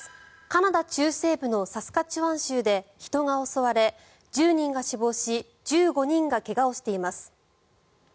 カナダ中西部のサスカチュワン州で人が襲われ、１０人が死亡し１５人が怪我をしています。